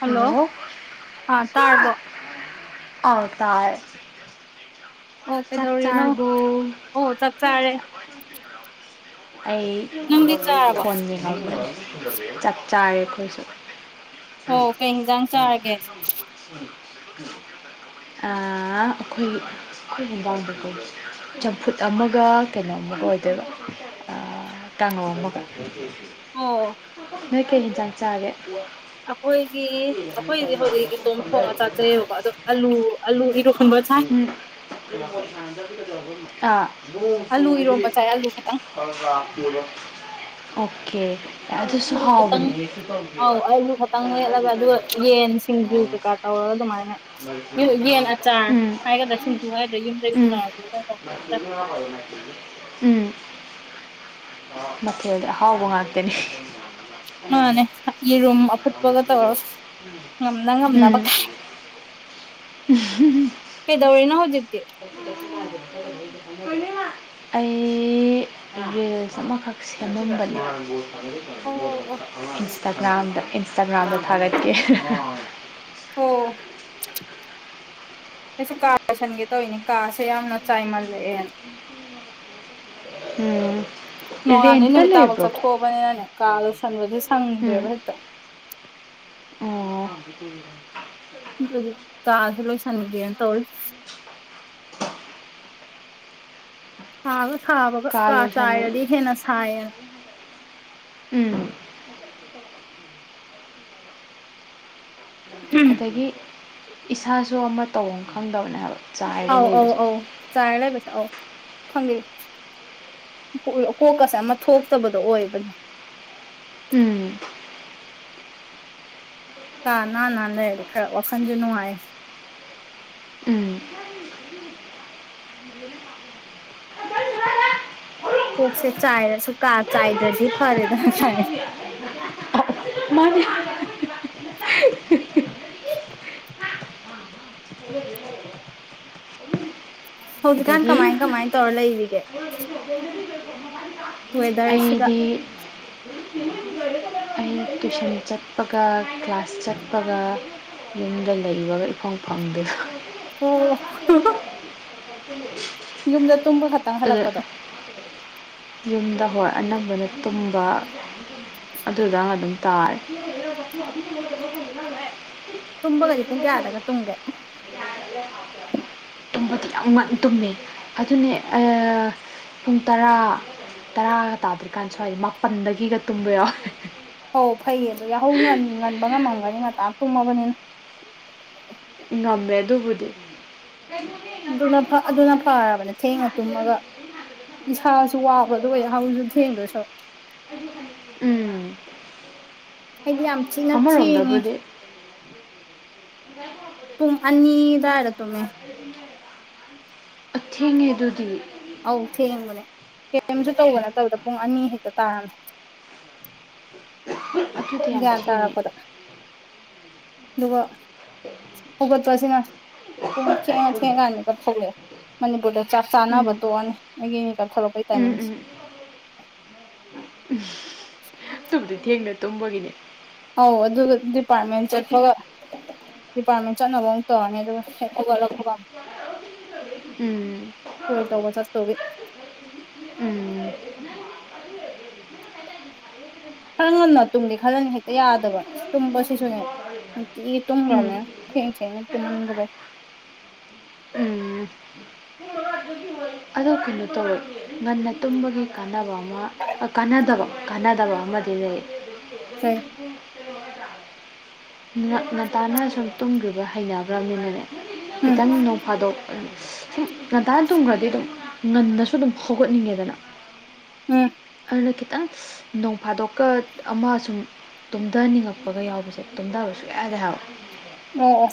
hello hello ꯑꯥ ꯇꯥꯔꯕꯣ ꯑꯇꯥꯔ ꯑꯣ ꯆꯥꯛ ꯀꯩꯗꯧꯔꯤꯅꯣ ꯆꯔꯔꯕꯣ ꯑꯣ ꯆꯥꯛ ꯆꯥꯔꯦ ꯑꯩ ꯅꯪꯗꯤ ꯆꯥꯔꯕꯣ ꯐꯣꯟ ꯃꯤꯍ ꯆꯞ ꯆꯥꯔꯦ ꯑꯩꯈꯣꯏꯁꯨ ꯍ ꯄꯩ ꯏꯖꯥꯡ ꯆ ꯑꯥꯒꯦ ꯑꯩꯈꯣꯏ ꯑꯩꯈꯣꯏ ꯅꯨꯡꯗꯥꯡꯗꯀꯣ ꯆꯝꯐꯨꯠ ꯑꯃꯒ ꯀꯩꯅꯣ ꯑꯃꯒ ꯑꯣꯏꯗꯣꯏꯕ ꯇꯉꯣ ꯃꯒ ꯑꯣ ꯅꯣꯏ ꯀꯩꯟ ꯆꯥꯡ ꯆꯥꯒꯦ ꯑꯩꯈꯣꯏꯗꯤ ꯑꯩꯈꯣꯏꯗꯤ ꯍꯧꯖꯤꯛ ꯏꯇꯣꯝ ꯊꯣꯡꯉꯒ ꯆꯥꯆꯩꯌꯦꯕꯀꯣ ꯑꯗꯣ ꯑꯂꯨ ꯑꯂꯨ ꯏꯔꯣꯟꯕ ꯆꯥꯏ ꯎꯝ ꯑꯥ ꯃꯣꯡ ꯑꯂꯨ ꯆꯨꯔꯤ ꯏꯔꯣꯝꯕ ꯆꯥꯏ ꯑꯂꯨ ꯈꯇꯪ ꯑꯣꯀꯦ ꯑꯗꯨꯗꯁꯨ ꯑꯂꯨ ꯈꯇꯪ ꯍꯥꯎꯅꯤ ꯑꯧ ꯑꯩꯁꯨ ꯈꯇꯪꯦꯜꯂꯒ ꯑꯗꯨꯒ ꯌꯦꯟ ꯁꯤꯡꯖꯨ ꯀꯩꯀꯥ ꯇꯧꯔꯒ ꯑꯗꯨꯃꯥꯏꯅ ꯌꯦꯟ ꯑꯆꯥꯔ ꯎꯝ ꯎꯝ ꯍꯥꯏꯒꯗ꯭ꯔꯥ ꯁꯤꯡꯖꯨ ꯍꯥꯏꯒꯗ ꯌꯨꯝꯗꯩ ꯄꯨ ꯎꯝ ꯃꯊꯦꯜ ꯍꯍꯥꯎꯕ ꯉꯥꯛꯇꯅꯦ ꯃꯥꯅꯦꯅꯦ ꯌꯦꯔꯨꯝ ꯑꯐꯨꯠꯄꯒ ꯇꯧꯔ ꯉꯝꯅ ꯉꯝꯅꯕ ꯀꯥꯏ ꯎꯝ ꯄꯦꯗꯧ ꯋꯥꯔꯤꯅ ꯍꯧꯗꯦ ꯄꯨ ꯑꯩ ꯔꯤꯜꯁ ꯑꯃꯈꯛ ꯁꯦꯝꯃꯝꯕꯅꯦ ꯑꯣ ꯑꯣ ꯁꯇꯥꯒ꯭ꯔꯥꯝꯗ ꯏꯟꯁꯇꯥꯒ꯭ꯔꯥꯝꯗ ꯊꯥꯔꯛꯀꯦ ꯑꯣ [inaudible] ꯑꯩꯁꯨ ꯀꯥ ꯂꯣꯏꯁꯟꯒꯦ ꯇꯧꯤꯅꯦ ꯀꯥꯁꯦ ꯌꯥꯝꯅ ꯆꯥꯏꯃꯜꯂꯛꯑꯦ ꯎꯝ ꯔꯦꯟꯇ ꯂꯩꯕ꯭ꯔꯣꯀꯣ ꯅꯤꯅꯦ ꯀꯜ ꯁꯟꯕꯗꯤꯦ ꯁꯥꯡꯦ ꯎꯝ ꯍꯥꯏꯠꯇ ꯑꯣ ꯗꯤ ꯂꯣꯏꯁꯅꯗꯤ ꯑ ꯇꯧ ꯊꯥꯒ ꯁꯥꯕꯒ ꯀꯥ ꯆꯥꯏꯔꯗꯤ ꯍꯦꯟꯅ ꯁꯥꯏꯌꯦꯅ ꯎꯝ ꯑꯗꯒꯤ ꯏꯁꯥꯁꯨ ꯑꯃ ꯇꯧꯐꯝ ꯈꯪꯗꯕꯅꯦ ꯍꯥꯏꯕ ꯆꯥꯏꯔ ꯑꯧ ꯑꯧ ꯂꯩꯕꯁꯦ ꯑꯧ ꯆꯥꯏ ꯂꯩꯕꯁꯦ ꯑꯧ ꯈꯪꯗꯦꯔ ꯀꯣꯛꯀꯁꯦ ꯑꯃ ꯊꯣꯛꯇꯕꯗꯣ ꯑꯣꯏꯕꯅꯦ ꯎꯝ ꯀꯥ ꯅ ꯅ ꯂꯩꯔ ꯈꯔ ꯋꯥꯈꯟꯖꯅꯣꯑ ꯎꯝ ꯀꯣꯛꯁꯦ ꯆꯥꯏꯔꯁꯨ ꯀꯥ ꯆꯥꯏꯗ꯭ꯔꯗꯤ ꯐꯔꯦꯗ ꯆꯥꯏ ꯃꯥꯅꯦ ꯑ [inaudible] ꯍꯧꯖꯤꯛ ꯈꯥꯟ ꯀꯃꯥꯏꯟ ꯀꯃꯥꯏ ꯇꯧꯔꯂꯦꯒ [inaudible] ꯋꯦꯗꯔ ꯁꯤꯒ ꯑꯩꯗꯤ ꯇ꯭ꯋꯏꯤꯁꯟ ꯆꯠꯄꯒ ꯀ꯭ꯂꯥꯁ ꯆꯠꯄꯒ ꯌꯨꯝꯗ ꯂꯩꯕꯒ ꯏꯐꯣꯡ ꯐꯪꯗꯦꯁꯨ ꯑꯣ [inaudible] ꯌꯨꯝꯗ ꯇꯨꯝꯕ ꯈꯛꯇꯪ ꯑꯗꯨꯗ ꯍꯜꯂꯛꯄꯗꯣ ꯌꯨꯝꯗ ꯍꯣꯏ ꯑꯅꯝꯕꯅ ꯇꯨꯝꯕ ꯑꯗꯨꯗ ꯑꯗꯨꯝ ꯇꯥꯔꯦ ꯂꯩ ꯃ ꯇꯨꯝꯕꯒꯗꯤ ꯄꯨꯡ ꯀꯌꯥꯗꯒ ꯇꯨꯝꯒꯦ ꯌꯥ ꯇꯨꯝꯕꯗꯤ ꯌꯥꯝ ꯇꯨꯝꯃꯦ ꯑꯗꯨꯅꯦ ꯄꯨꯡ ꯇꯔꯥ ꯇꯔꯥꯒ ꯇꯥꯗ꯭ꯔꯤꯀꯥꯟ ꯁ꯭ꯋꯥꯏꯗ ꯃꯥꯄꯟꯗꯒꯤꯒ ꯇꯨꯝꯕ ꯌꯥꯎ ꯍ ꯐꯩꯌꯦ ꯑꯗꯣ ꯌꯥꯍꯧ ꯉꯟꯕ ꯉꯝꯃꯝꯒꯅꯤ ꯉꯇꯥ ꯑꯃ ꯇꯨꯝꯃꯕꯅꯤꯅ ꯉꯝꯃꯦ ꯑꯗꯨꯕꯨꯗꯤ ꯑꯗꯨꯅ ꯑꯗꯨꯅ ꯐꯔꯕꯅꯦ ꯊꯦꯡꯅ ꯇꯨꯝꯃꯒ ꯏꯁꯥꯁꯨ ꯋꯥꯕ ꯑꯗꯨꯒ ꯑꯣꯏꯍꯁꯨ ꯊꯦꯡꯗꯣꯏ ꯁꯔꯨꯛ ꯎꯝ ꯍꯥꯏꯗꯤ ꯌꯥꯝ ꯆꯤꯅ ꯊꯦꯡꯉꯦ ꯑꯃꯔꯣꯝꯗꯕꯨꯗꯤ ꯄꯨꯡ ꯑꯅꯤꯗꯥ ꯍꯥꯏꯔ ꯇꯣꯃꯦ ꯑꯊꯦꯡꯉꯦ ꯑꯗꯨꯗꯤ ꯑꯧ ꯊꯦꯡꯕꯅꯦ ꯀꯔꯤꯝꯁꯨ ꯇꯧꯕ ꯅꯠꯇꯕꯗ ꯄꯨꯡ ꯑꯅꯤ ꯍꯦꯛꯇ ꯇꯥꯔꯝꯃꯦ ꯑꯗꯨꯗꯤ ꯌꯥꯝ ꯒ꯭ꯌꯥꯟ ꯊꯦꯡꯉꯦ ꯇꯥꯔꯛꯄꯗ ꯑꯗꯨꯒ ꯍꯧꯒꯠꯄꯁꯤꯅ ꯄꯨꯆ ꯀꯥꯟꯅꯤꯒ ꯐꯦ ꯃꯅꯤꯄꯨꯔꯗ ꯆꯞ ꯆꯥꯅꯕ ꯎꯝ ꯇꯣꯛꯑꯅꯤ ꯑꯩꯒꯤ ꯀꯥꯞꯊꯣꯔꯛꯄꯒꯤ ꯎꯝ ꯇꯥꯏꯃꯤꯡꯁꯦ ꯎꯝ ꯑꯗꯨꯕꯨꯗꯤ ꯊꯦꯡꯅ ꯇꯨꯝꯕꯒꯤꯅꯦ ꯑꯧ ꯑꯗꯨ ꯗꯤꯄꯥꯔꯃꯦꯟ ꯆꯦ ꯐ ꯗꯤꯄꯥꯔꯠꯃꯦꯟ ꯆꯠꯅꯕ ꯑꯃꯨꯛ ꯇꯧꯔꯅꯤ ꯑꯗꯨꯒ ꯍꯦꯛ ꯍꯧꯒꯠꯂꯄ ꯎꯝ ꯍꯣꯏ ꯇꯧꯕ ꯆꯠ ꯇꯧꯋꯤ ꯎꯝ ꯈꯔ ꯉꯟꯅ ꯇꯨꯝꯒꯦ ꯈꯜꯂꯅꯤ ꯍꯦꯛꯇ ꯌꯥꯗꯕ ꯇꯨꯝꯕꯁꯤꯁꯨꯅꯦ ꯅꯨꯡꯇꯤꯒꯤ ꯎꯝ ꯇꯨꯝꯈ꯭ꯔꯕꯅꯦ ꯊꯦꯡ ꯇꯨꯃꯒꯦꯁ ꯎꯝ ꯑꯣ ꯀꯩꯅꯣ ꯇꯧꯋꯦ ꯉꯟꯅ ꯇꯨꯝꯕꯒꯤ ꯀꯥꯟꯅꯕ ꯑꯃ ꯀꯥꯟꯅꯗꯕ ꯀꯥꯟꯅꯗꯕ ꯑꯃꯗꯤ ꯂꯩ ꯐꯦ ꯎ ꯉꯟꯇꯥꯅ ꯁꯨꯝ ꯇꯨꯝꯈ꯭ꯔꯤꯕ ꯍꯩꯅꯕ꯭ꯔꯅꯤꯅꯅꯦ ꯎꯝ ꯈꯤꯇꯪ ꯊꯥꯗꯣꯛ ꯁꯨꯝ ꯉꯟꯇꯥꯅ ꯇꯨꯝꯈ꯭ꯔꯗꯤ ꯑꯗꯨꯝ ꯉꯟꯅꯁꯨ ꯑꯗꯨꯝ ꯍꯧꯒꯠꯅꯤꯡꯉꯦꯗꯅ ꯎꯝ ꯑꯗꯨꯅ ꯈꯤꯇꯪ ꯅꯣꯡꯐꯥꯗꯣꯛꯀ ꯑꯃ ꯁꯨꯝ ꯇꯨꯝꯊꯅꯤꯡꯉꯛꯄꯒ ꯌꯥꯎꯕꯁꯦ ꯇꯨꯝꯊꯕꯁꯨ ꯌꯥꯌꯥꯔꯦ ꯍꯥꯏꯕꯋ ꯑꯣ ꯑꯣ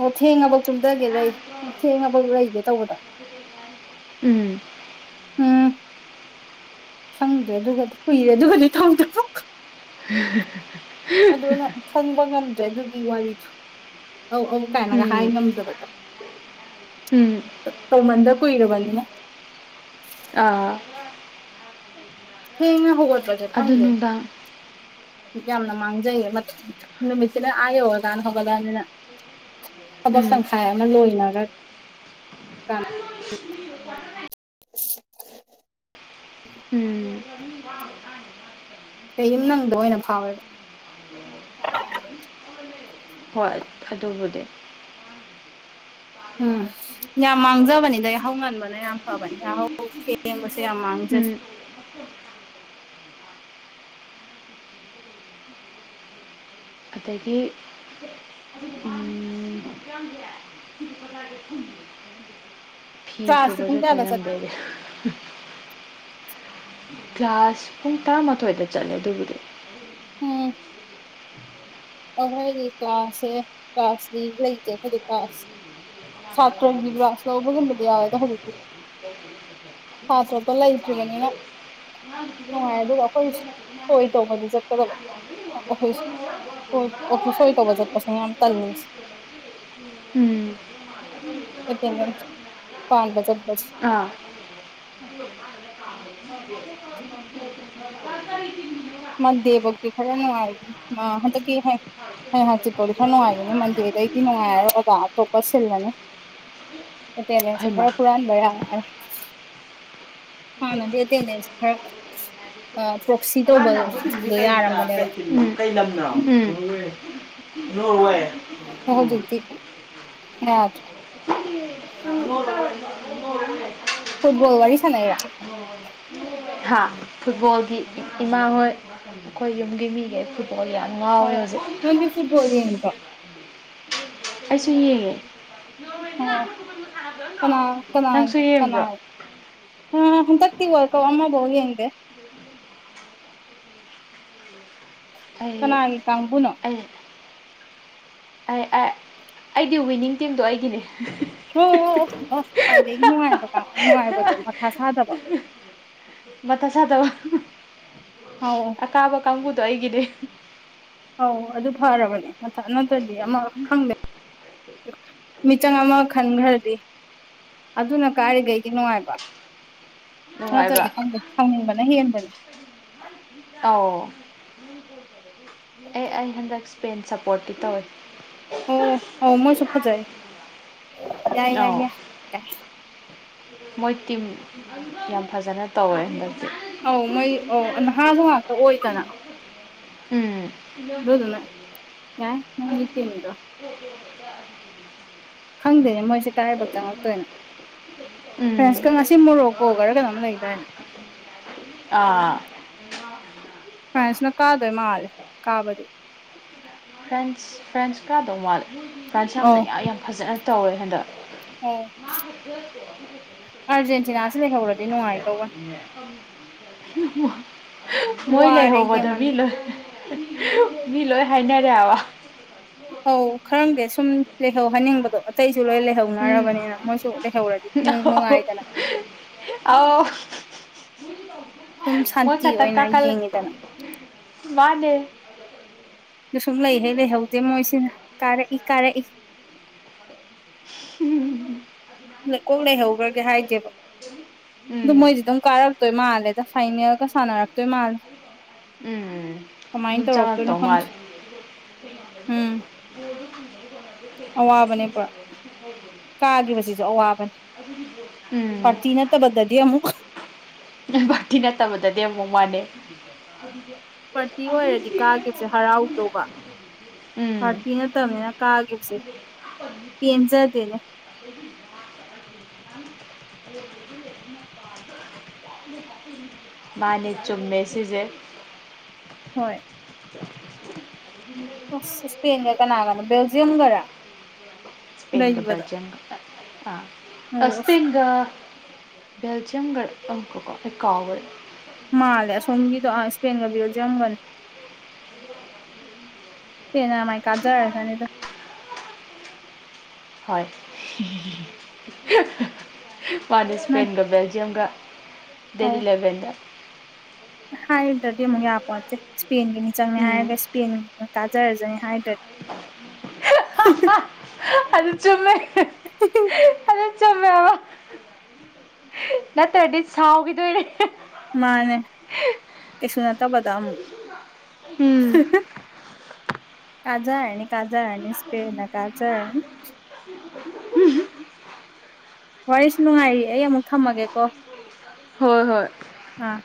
ꯑꯣ ꯊꯦꯡꯉꯕ ꯆꯨꯝꯊꯒꯦ ꯂꯩ ꯑꯣ ꯊꯦꯡꯉꯕꯧ ꯂꯩꯒꯦ ꯇꯧꯕꯗ ꯎꯝ ꯎꯝ ꯐꯪꯗ꯭ꯔꯦ ꯑꯗꯨꯒꯗꯤ ꯀꯨꯏꯔꯦ ꯑꯗꯨꯒꯗꯤ ꯎ ꯑꯗꯨꯅ ꯈꯪꯕ ꯉꯝꯗ꯭ꯔꯦ ꯑꯗꯨꯒꯤ ꯋꯥꯔꯤꯗꯣ ꯑꯧ ꯑꯧ ꯀꯥꯏꯅꯒ ꯍꯥꯏ ꯎꯝ ꯉꯝꯗꯕꯗꯣ ꯎꯝ ꯇꯧꯃꯟꯗ ꯀꯨꯏꯔꯕꯅꯤꯅ ꯑꯥ ꯍꯦꯡꯉ ꯍꯒꯣꯠ ꯄꯖꯦ ꯑꯗꯨ ꯊꯪꯦ [inaudible] ꯌꯥꯝꯅ ꯃꯥꯡꯖꯩꯌꯦ ꯅꯨꯃꯤꯠꯁꯤꯅ ꯑꯥ ꯌꯧꯔꯀꯥꯟꯅ ꯍꯧꯒꯠꯂꯅꯤꯅ ꯈꯕꯜ ꯎꯝ ꯆꯪꯈꯥꯏ ꯑꯅ ꯂꯍꯤꯅꯒ ꯎꯝ ꯀ ꯌꯨꯝ ꯅꯪꯗ ꯑꯣꯏꯅ ꯐꯥꯎꯋꯦꯕ ꯍꯣꯏ ꯑꯗꯨꯕꯨꯗꯤ ꯎꯝ ꯌꯥꯝ ꯃꯥꯡꯖꯕꯅꯤ ꯑꯗꯩ ꯍꯧ ꯉꯟꯕꯅ ꯌꯥꯝ ꯐꯕꯅꯦꯍꯧ ꯁꯦꯡꯕꯁꯦ ꯌꯥꯝ ꯃꯥꯡꯖꯁꯦ [inaudible] ꯑꯗꯒꯤ ꯌꯥꯝꯕꯤ ꯍꯤꯟꯒ ꯊ ꯐꯤ ꯀ꯭ꯂꯥꯁꯇꯤ ꯄꯨꯡ ꯁꯨꯕꯁꯨꯠꯇ ꯀꯌꯥꯗ ꯆꯠꯀꯦ ꯅꯪꯗꯔ ꯀ꯭ꯂꯥꯁ ꯄꯨꯡ ꯇꯔꯥꯃꯥꯊꯣꯏꯗ ꯆꯠꯂꯦ ꯑꯗꯨꯕꯨꯗꯤ ꯎꯝ ꯑꯍꯣꯏꯗꯤ ꯀ꯭ꯂꯥꯁꯁꯦ ꯀ꯭ꯂꯥꯁꯇ ꯂꯩꯇꯦ ꯀꯩ ꯀ꯭ꯂꯥꯁ ꯁꯥꯇ꯭ꯔꯒꯤ ꯀ꯭ꯂꯥꯁ ꯂꯧꯕꯒꯨꯝꯕꯗ ꯌꯥꯎꯋꯦꯗ ꯍꯧꯖꯤꯛꯇꯤ ꯍꯥꯇ꯭ꯔꯒꯂ ꯏꯠꯇ꯭ꯔꯤꯕꯅꯤꯅ ꯉꯔ ꯁꯣꯏ ꯇꯧꯕꯗꯤ ꯊꯔꯠꯇ ꯁꯣꯏ ꯑꯣꯦ ꯁꯣꯏ ꯇꯧꯕꯖꯠ ꯄꯁ ꯌꯥꯝ ꯇꯜꯅꯤꯁ ꯎꯝ ꯄꯕꯖꯁ ꯑꯥ ꯃꯣꯟꯗꯥꯏ ꯐꯥꯎꯗꯤ ꯈꯔ ꯅꯨꯡꯉꯥꯏ ꯍꯟꯗꯛꯀꯤ ꯍꯟꯗꯛꯀꯤ ꯍꯩ ꯍꯪꯆꯤꯠꯇꯣꯗꯤ ꯈꯔ ꯅꯨꯡꯉꯥꯏꯒꯅꯤ ꯃꯟꯗꯦꯗꯩꯗꯤ ꯅꯨꯡꯉꯥꯏ ꯍꯥꯏꯔꯖ ꯑꯇꯣꯞꯄ ꯁꯤꯜꯂꯅꯤ ꯎ ꯑꯦ ꯂꯩ ꯆ ꯈꯔ ꯐꯨꯔꯅꯕꯔꯦ ꯍꯥꯟꯅꯗꯤ ꯑꯦꯇꯦꯟꯗꯦꯟꯁ ꯈꯔ ꯄ꯭ꯔꯣꯛꯁꯤ ꯇꯧꯕ ꯀꯩ ꯂꯝꯅꯣ ꯅꯣꯔꯋꯦ ꯍꯗꯇꯗꯤ ꯌꯥ [inaudible] ꯐꯨꯠꯕꯣꯜ ꯋꯥꯔꯤꯁꯅꯔ ꯍꯥ ꯐꯨꯠꯕꯣꯜꯒꯤ ꯏꯃꯥ ꯍꯣꯏ ꯑꯩꯈꯣꯏ ꯌꯨꯝꯒꯤ ꯃꯤꯉꯩ ꯍ ꯑ ꯍꯥꯎ ꯅꯣꯟꯗꯤꯁꯨꯠ ꯍꯣꯗꯤ ꯏꯇ ꯑꯩꯁꯨ ꯌꯦꯡꯉꯦ ꯑꯣ ꯀꯅꯥ ꯀꯅꯥꯅꯤꯦ ꯀꯅꯥ ꯑ ꯍ ꯇꯇꯕꯣꯀ ꯑꯣꯃꯕ ꯌꯦꯡꯗꯦ ꯀꯅꯥꯒꯤ ꯀꯥꯡꯕꯨꯨꯅꯣ [inaudible] ꯑꯩꯗꯤ ꯋꯤꯅꯤꯡ ꯁꯤꯡꯗꯣ ꯑꯩꯒꯤꯅꯦ ꯍꯣ ꯍ ꯑꯣ ꯈ꯭ꯋꯥꯏꯗꯒꯤ ꯅꯨꯡꯉꯥꯏꯕ ꯀꯥꯡ ꯅꯨꯡꯉꯥꯏꯕꯗꯣ ꯃꯊꯥ ꯁꯥꯗꯕ ꯃꯊ ꯆꯗ ꯍꯥꯎ ꯑꯀꯥꯕ ꯀꯥꯡꯕꯨꯗꯣ ꯑꯩꯒꯤꯗꯤ ꯑꯧ ꯑꯗꯨ ꯐꯔꯕꯅꯦ ꯃꯊꯛ ꯅꯠꯇ꯭ꯔꯗꯤ ꯑꯃ ꯈꯪꯗꯦ ꯃꯤ ꯆꯪ ꯑꯃ ꯈꯟꯒꯥꯔꯗꯤ ꯑꯗꯨꯅ ꯀꯥꯏꯔꯤꯈꯩꯗꯤ ꯅꯨꯡꯉꯥꯏꯕ ꯅꯠꯇ꯭ꯔꯗꯤ ꯁꯥꯎꯅꯤꯡꯕꯅ ꯍꯦꯟꯕꯅꯦ ꯑꯥꯎ ꯑꯦ ꯑꯩ ꯍꯟꯗꯛ ꯁꯄꯦꯟ ꯁꯞꯄꯣꯔꯠꯇꯤ ꯇꯧꯋꯤ ꯑꯣ ꯍ ꯃꯣꯏꯁꯨ ꯐꯖꯩ ꯌꯥꯏ ꯌꯥꯏ ꯌꯥꯏ ꯌꯥꯏ ꯃꯣꯏ ꯇꯤꯝ ꯌꯥꯝ ꯐꯖꯅ ꯇꯧꯋꯦ ꯍꯟꯗꯛ ꯑꯧ ꯃꯣꯏ ꯑꯧ ꯅꯍꯥꯁꯨ ꯉꯥꯛꯇ ꯑꯣꯏꯗꯅ ꯎꯝ ꯑꯗꯨꯗꯨꯅ ꯌꯥꯏ ꯅꯪꯒꯤ ꯇꯤꯝꯗꯣ [unintelligible] ꯈꯪꯗꯦ ꯃꯣꯏꯁꯦ ꯀꯥꯏꯐꯥꯎ ꯆꯪꯉꯛꯇꯣꯏꯅꯣ ꯎꯝ ꯐ꯭ꯔꯦꯟꯁꯀ ꯉꯁꯤ ꯃꯣꯔꯣꯛꯀꯣ ꯒꯥꯔꯥ ꯀꯩꯅꯣ ꯂꯩꯗꯥꯏꯅ ꯑꯥ ꯐ꯭ꯔꯥꯟꯁꯅ ꯀꯥꯗꯣꯏ ꯃꯥꯜꯂꯦ ꯀꯥꯕꯗꯤ ꯐ꯭ꯔꯦꯟꯁ ꯐ꯭ꯔꯦꯟꯁ ꯀꯗꯧ ꯃꯥꯜꯂꯦ ꯐ꯭ꯔꯦꯟꯁ ꯌꯥꯝꯅ ꯌꯥꯝ ꯐꯖꯅ ꯇꯧꯋꯦ ꯍꯟꯗꯛ ꯎꯝ [inaudible] ꯑꯥꯔꯖꯦꯟꯇꯤꯅꯥꯁꯤ ꯂꯩꯍꯧꯔꯗꯤ ꯅꯨꯡꯉꯥꯏꯇꯧꯕ [inaudible] ꯃꯣꯏ ꯋꯥꯔꯦ ꯂꯩꯍꯧꯕꯗꯣ ꯃꯤ ꯌꯦꯡꯃꯟꯗ ꯂꯣꯏ ꯃꯤ ꯂꯣꯏ ꯍꯥꯏꯅꯔꯦ ꯍꯥꯏꯕꯥ ꯑꯧ ꯈꯔꯪꯗꯦ ꯁꯨꯝ ꯂꯩꯍꯧ ꯍꯜꯅꯤꯡꯕꯗꯣ ꯑꯇꯩꯁꯨ ꯂꯣꯏ ꯂꯩꯍꯧꯅꯔꯕꯅꯤꯅ ꯃꯣꯏꯁꯨ ꯂꯩꯍꯧꯔꯗꯤ ꯑ ꯅꯨꯡꯉꯥꯏꯗꯅ ꯑ ꯑ ꯁꯨꯝ ꯃꯣꯏ ꯁꯥꯟꯇꯤ ꯈꯠꯇ ꯑꯣꯏꯅ ꯀꯀꯜ ꯌꯦꯡꯉꯤꯗꯅ ꯋꯥꯅꯦ ꯑꯗꯨ ꯁꯨꯝ ꯂꯩꯍꯩ ꯂꯩꯍꯧꯗꯦ ꯃꯣꯏꯁꯤꯅ ꯀꯥꯔꯛꯏ ꯀꯥꯔꯛꯏ ꯂꯩꯀꯣꯛ ꯂꯩꯍꯧꯒ꯭ꯔꯒꯦ ꯍꯥꯏꯗꯦꯕ ꯑꯗꯨ ꯎꯝ ꯃꯣꯏꯗꯤ ꯗꯨꯝ ꯀꯥꯔꯛꯇꯣꯏ ꯃꯥꯜꯂꯦꯗ ꯐꯥꯏꯅꯦꯜꯒ ꯁꯥꯟꯅꯔꯛꯇꯣꯏ ꯃꯥꯜꯂꯦ ꯎꯝ ꯀꯃꯥꯏꯅ ꯑꯗꯨꯝ ꯇ ꯔꯛꯇꯛꯇ ꯆꯪꯉꯛꯇꯧ ꯅꯈ ꯃꯥꯜꯂꯦ ꯎꯝ [unintelligible] ꯑꯋꯥꯕꯅꯦ ꯄꯨꯔꯥ ꯀꯥꯈꯤꯕꯁꯤꯁꯨ ꯑꯋꯥꯕꯅꯦ ꯎꯝ ꯄꯔꯇꯤ ꯅꯠꯇꯕꯗꯗꯤ ꯑꯃꯨꯛ ꯥꯅꯠꯇꯕꯗꯗꯤ ꯑꯃꯨꯛ ꯃꯥꯟꯅꯦ [unintelligible] ꯄꯥꯔꯇꯤ ꯑꯣꯏꯔꯗꯤ ꯀꯥꯈꯤꯕꯁꯦ ꯍꯔꯥꯎꯗꯧꯕ ꯎꯝ ꯄꯥꯔꯇꯤ ꯅꯠꯇꯕꯅꯤꯅ ꯀꯥꯈꯤꯕꯁꯦ ꯄꯦꯟꯖꯗꯦꯅꯦ [inaudible] ꯃꯥꯅꯦ ꯆꯨꯝꯃꯦ ꯁꯤꯖꯦ ꯍꯣꯏ ꯑꯁ ꯁꯄꯦꯟꯒ ꯀꯅꯥꯒꯅꯣ ꯕꯦꯜꯖꯤꯝ ꯒꯔ [unintelligible] ꯑꯣ ꯑꯁ ꯕꯦꯜꯖꯝꯒꯀꯣ ꯑꯦꯀꯕ ꯃꯥꯜꯂꯦ ꯑꯁꯣꯝꯒꯤꯗꯣ ꯏꯁꯄꯦꯟꯒ ꯕꯤꯔꯖꯝꯒꯅꯤ ꯍ ꯃꯥ ꯀꯥꯖꯔ ꯍꯥꯏꯅꯤ ꯍꯣꯏ ꯄꯥꯟꯗ ꯅꯠ ꯏꯁꯄꯦꯟꯒ ꯕꯦꯜꯖꯤꯌꯝꯒ ꯗꯦꯠ ꯑꯧ ꯏꯂꯦꯕꯦꯟꯗ ꯍꯥꯏꯗ꯭ꯔꯗꯤ ꯑꯃꯨꯛ ꯌꯥꯄꯣꯠꯁꯦ ꯏꯁꯄꯦꯟꯒꯤꯅꯤ ꯆꯪꯅꯤ ꯍꯥꯏꯔꯒ ꯏꯁꯄꯦꯟ ꯀꯥꯖꯔꯁꯨꯅꯤ ꯍꯥꯏꯗ꯭ꯔꯗꯤ ꯎ ꯎ ꯑꯗꯨꯗꯤ ꯆꯨꯝꯃꯦ [inaudible] ꯑꯗꯨ ꯆꯨꯝꯃꯦꯕ ꯅꯠꯇ꯭ꯔꯗꯤ ꯁꯥꯎꯈꯤꯗꯣꯏꯔꯦ ꯃꯥꯅꯦ ꯀꯩꯁꯨ ꯅꯠꯇꯕꯗ ꯑꯃꯨꯛ ꯎꯝ ꯀꯥꯖꯜꯅꯤ ꯀꯥꯖꯥ ꯍꯥꯏꯅꯤ ꯏꯁꯀꯦꯅ ꯀꯥꯖꯜ ꯋꯥꯔꯤꯁꯨ ꯅꯨꯡꯉꯥꯏꯔꯤꯌꯦ ꯑꯩ ꯑꯃꯨꯛ ꯊꯝꯃꯒꯦꯀꯣ ꯍꯣꯏ ꯍꯣꯏ ꯍꯥ